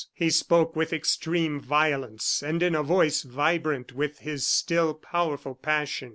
He spoke with extreme violence and in a voice vibrant with his still powerful passion.